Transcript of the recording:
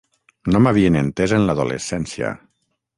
No m’havien entés en l’adolescència.